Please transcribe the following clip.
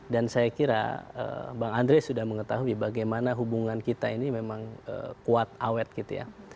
dan saya kira bang andres sudah mengetahui bagaimana hubungan kita ini memang kuat awet gitu ya